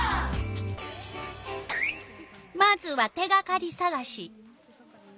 まずは手がかりさがし。